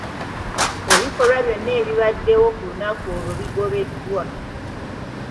Ebikolwa ebirala byonna ebibaddewo ku lunaku olwo bigobeddwa.